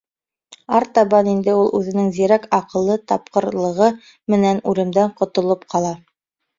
Артабан инде ул үҙенең зирәк аҡылы, тапҡырлығы менән үлемдән ҡотолоп ҡала.